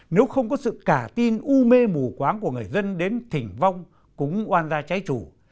nếu không có sự cả tin u mê mù quáng của người dân đến thỉnh vong cũng oan ra trái chủ